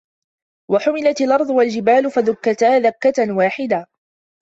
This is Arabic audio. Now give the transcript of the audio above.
وَحُمِلَتِ الأَرضُ وَالجِبالُ فَدُكَّتا دَكَّةً واحِدَةً